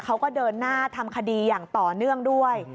เขาก็เดินหน้าทำคดีอย่างต่อเนื่องด้วย